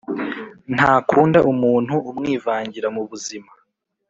Ntakunda umuntu umuivangira mubuzima